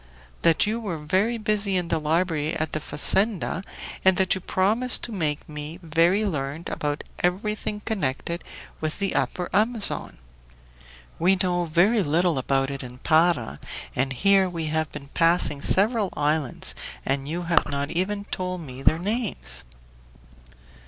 "That you were very busy in the library at the fazenda, and that you promised to make me very learned about everything connected with the Upper Amazon. We know very little about it in Para, and here we have been passing several islands and you have not even told me their names!"